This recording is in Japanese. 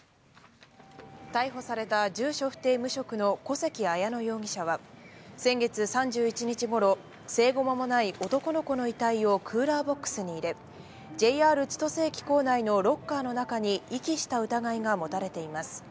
逮捕された住所不定・無職の小関彩乃容疑者は、先月３１日ごろ、生後間もない男の子の遺体をクーラーボックスに入れ、ＪＲ千歳駅構内のロッカーの中に遺棄した疑いが持たれています。